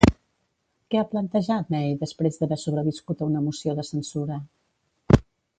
Què ha plantejat May després d'haver sobreviscut a una moció de censura?